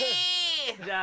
じゃあ。